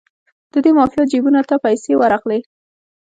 د دې مافیا جیبونو ته پیسې ورغلې.